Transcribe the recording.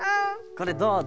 これどうぞ。